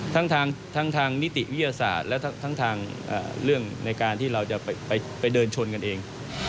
ทั้งทางนิติวิทยาศาสตร์และทั้งทางเรื่องในการที่เราจะไปเดินชนกันเอง